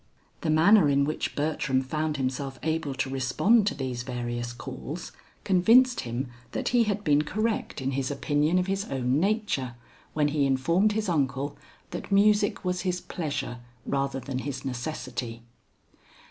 The manner in which Bertram found himself able to respond to these various calls, convinced him that he had been correct in his opinion of his own nature, when he informed his uncle that music was his pleasure rather than his necessity.